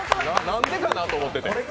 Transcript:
何でかな？と思っててん。